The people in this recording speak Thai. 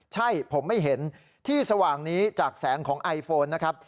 ใช่ผมไม่เห็นที่สว่างนี้จากแสงของไอโฟนนะครับ